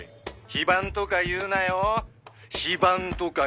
「非番とか言うなよ」